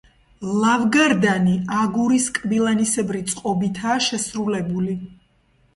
ლავგარდანი აგურის კბილანისებრი წყობითაა შესრულებული.